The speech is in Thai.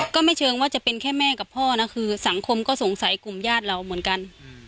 ก็ไม่เชิงว่าจะเป็นแค่แม่กับพ่อนะคือสังคมก็สงสัยกลุ่มญาติเราเหมือนกัน